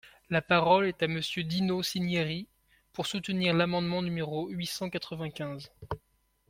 La parole est à Monsieur Dino Cinieri, pour soutenir l’amendement numéro huit cent quatre-vingt-quinze.